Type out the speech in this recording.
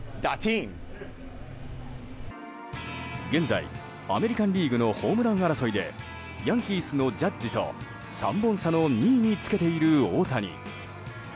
現在、アメリカン・リーグのホームラン争いでヤンキースのジャッジと３本差の２位につけている大谷。